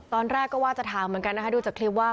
ตอนแรกก็ว่าจะถามเหมือนกันนะคะดูจากคลิปว่า